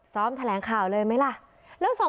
สมบัติการพลังมีชาติรักษ์ได้หรือเปล่า